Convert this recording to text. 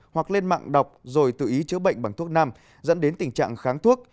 hoặc lên mạng đọc rồi tự ý chữa bệnh bằng thuốc nam dẫn đến tình trạng kháng thuốc